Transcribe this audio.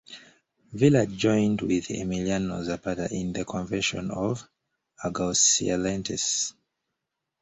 Villa joined with Emiliano Zapata in the Convention of Aguascalientes.